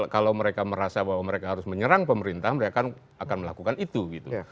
kalau mereka merasa bahwa mereka harus menyerang pemerintah mereka akan melakukan itu gitu